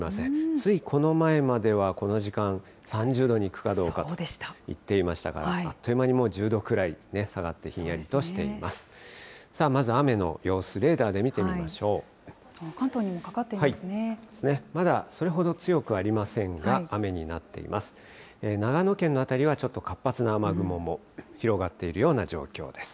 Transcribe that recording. ついこの前まではこの時間、３０度に行くかどうかと言っていましたが、あっという間にもう１０度くらい下がって、ひんやりとしています。